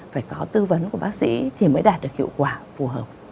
phải có tư vấn của bác sĩ thì mới đạt được hiệu quả phù hợp